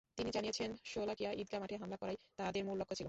তিনি জানিয়েছেন, শোলাকিয়া ঈদগাহ মাঠে হামলা করাই তাঁদের মূল লক্ষ্য ছিল।